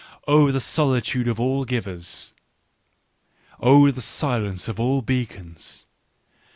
Oh, the solitude of all givers ! Oh, the silence of all beacons